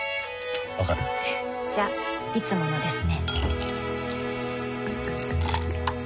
わかる？じゃいつものですね